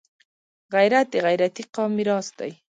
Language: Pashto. غیرت د غیرتي قام میراث دی